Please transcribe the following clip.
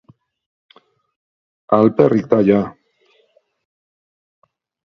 Alperrik da jada!